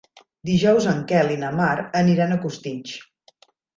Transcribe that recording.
Dijous en Quel i na Mar aniran a Costitx.